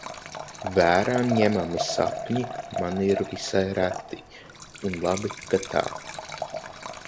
Vērā ņemami sapņi man ir visai reti, un labi, ka tā.